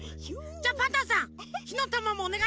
じゃパンタンさんひのたまもおねがいします。